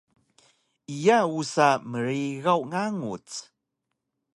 Iya usa mrigaw nganguc